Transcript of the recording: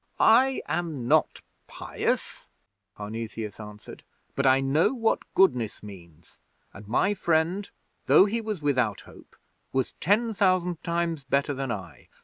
'I am not pious,' Parnesius answered, 'but I know what goodness means; and my friend, though he was without hope, was ten thousand times better than I.